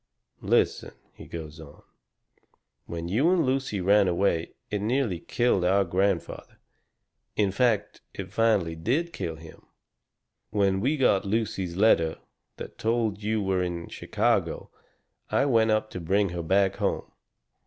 "Listen," he goes on. "When you and Lucy ran away it nearly killed our grandfather. In fact, it finally did kill him. When we got Lucy's letter that told you were in Chicago I went up to bring her back home.